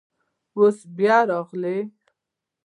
اوس بیا راغلی.